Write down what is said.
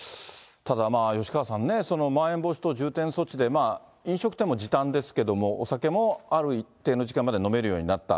ただまあ、吉川さんね、まん延防止等重点措置で、飲食店も時短ですけれども、お酒もある一定の時間まで飲めるようになった。